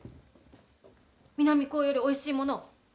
南高よりおいしいもの